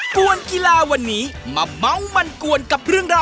ถ้าพร้อมกันแล้วไปรุ่นกันเลย